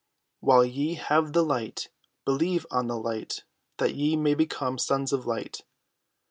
While ye have the light, believe on the light, that ye may become sons of light."